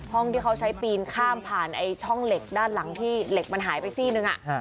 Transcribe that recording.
ที่เขาใช้ปีนข้ามผ่านไอ้ช่องเหล็กด้านหลังที่เหล็กมันหายไปซี่หนึ่ง